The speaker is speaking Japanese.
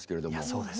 そうですよ。